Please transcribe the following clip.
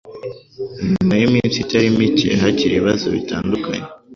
inyuma y'iiminsi itari mike hakiri ibibazo bitandukanye